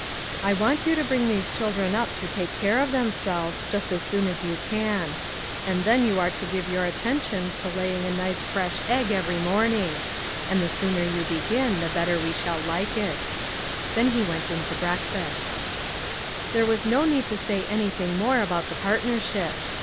I want you to bring these chil dren up to take care of themselves, just as soon 282 LITTLE FISHEES : AND THEIR NETS. as you can ; and then you are to give your at tention to laying a nice fresh egg every morn ing; and the sooner you begin, the better we shall like it." Then he went in to breakfast. There was no need to say anything mor about the partnership.